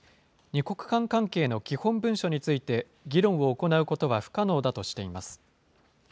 ２国間関係の基本文書について議論を行うことは不可能だとしています。